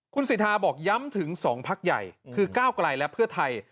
คุณสิทธาบอกย้ำถึง๒พักใหญ่คือก้าวไกลและเพื่อไทย